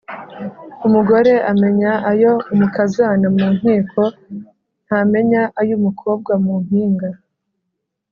Umugore amenya ayo umukazana mu nkiko, ntamenya ayo umukobwa mu mpinga.